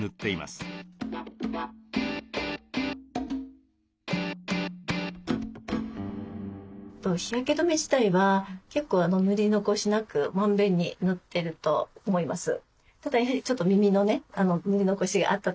日焼け止め自体は結構塗り残しなくまんべんに塗ってると思います。